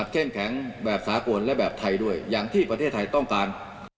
แข็งแบบสากลและแบบไทยด้วยอย่างที่ประเทศไทยต้องการ